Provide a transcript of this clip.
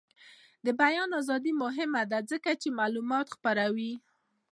د بیان ازادي مهمه ده ځکه چې معلومات خپروي.